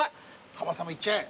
浜さんもいっちゃえ。